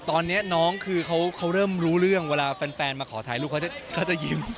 ตอนนี้น้องคือเขาเริ่มรู้เรื่องเวลาแฟนมาขอถ่ายรูปเขาจะยิ้ม